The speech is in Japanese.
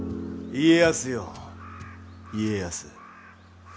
家康よ家康。